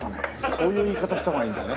こういう言い方した方がいいんだね。